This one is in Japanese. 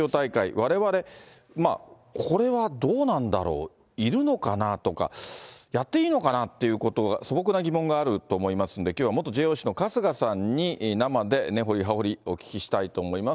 われわれ、これはどうなんだろう？いるのかなとか、やっていいのかなということ、素朴な疑問があると思いますんで、きょうは元ＪＯＣの春日さんに生で、根掘り葉掘りお聞きしたいと思います。